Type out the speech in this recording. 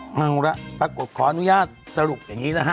เอาละปรากฏขออนุญาตสรุปอย่างนี้นะฮะ